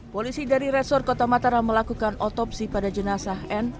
polisi dari resor kota mataram melakukan otopsi pada jenazah n